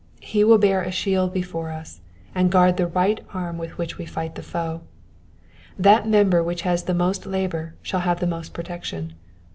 He will bear a shield before us, and guard the right arm with which we fight the foe. That member which has the most of labour shall have the most of protection.